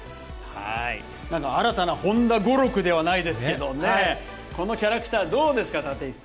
なんか新たな本多語録ではないですけどね、このキャラクター、どうですか、立石さん。